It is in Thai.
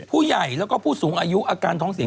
ผู้ใหญ่แล้วก็ผู้สูงอายุอาการท้องเสีย